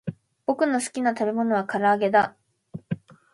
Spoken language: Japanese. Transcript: ぼくのすきなたべものはからあげだ